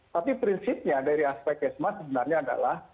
tapi prinsipnya dari aspek esmas sebenarnya adalah